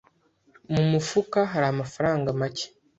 Mu mufuka hari amafaranga make.